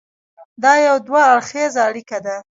دا یو دوه اړخیزه اړیکه ده.